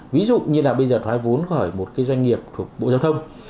ví dụ như là bây giờ thoái vốn có một doanh nghiệp thuộc bộ giao thông